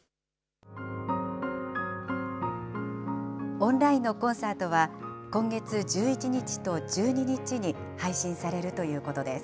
オンラインのコンサートは、今月１１日と１２日に配信されるということです。